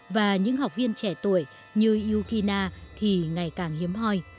và những học viên trẻ tuổi như yukina thì ngày càng nhiều